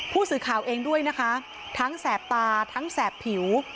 ผู้สื่อข่าวเองด้วยนะคะทั้งแสบตาทั้งแสบผิว